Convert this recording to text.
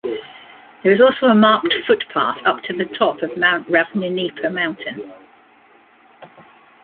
There is also a marked foot path up to the top of Ravnenipa mountain.